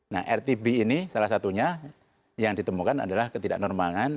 nah rtb ini salah satunya yang ditemukan adalah ketidak normalan